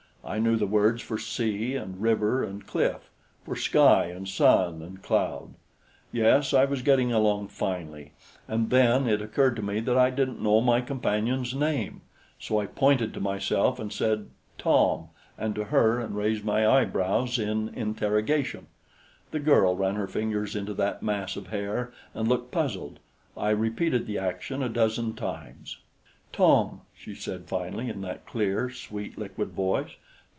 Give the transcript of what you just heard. I knew the words for sea and river and cliff, for sky and sun and cloud. Yes, I was getting along finely, and then it occurred to me that I didn't know my companion's name; so I pointed to myself and said, "Tom," and to her and raised my eyebrows in interrogation. The girl ran her fingers into that mass of hair and looked puzzled. I repeated the action a dozen times. "Tom," she said finally in that clear, sweet, liquid voice.